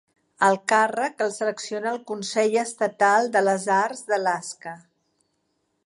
El càrrec el selecciona el Consell Estatal de les Arts d'Alaska.